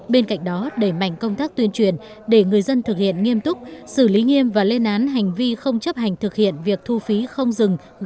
bên cạnh đó đẩy mạnh công tác tuyên truyền để người dân thực hiện nghiêm túc xử lý nghiêm và lên án hành vi không chấp hành thực hiện việc thu phí không dừng gây cản trở giao thông